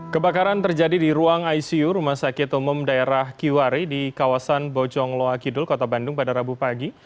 kebakaran terjadi di ruang icu rumah sakit umum daerah kiwari di kawasan bojong loakidul kota bandung pada rabu pagi